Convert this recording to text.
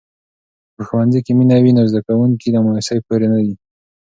که په ښوونځي کې مینه وي، نو زده کوونکي له مایوسۍ پورې نه وي.